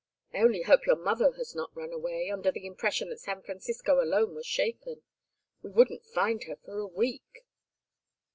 I only hope your mother has not run away under the impression that San Francisco alone was shaken. We wouldn't find her for a week."